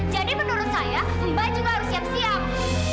jadi menurut saya mbak juga harus siap siap